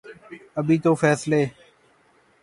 ابھی تو فیصلے